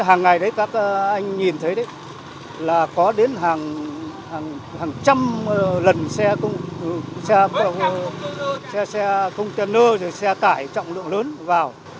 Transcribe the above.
hàng ngày đấy các anh nhìn thấy đấy là có đến hàng trăm lần xe công tên ơ xe tải trọng lượng lớn vào